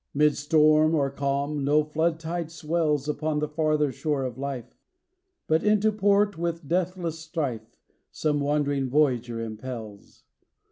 Mid storm or calm, no flood tide swells Upon the farther shore of life But into port, with deathless strife, Some wandering voyager impels.